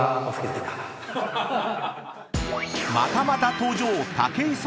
［またまた登場武井壮］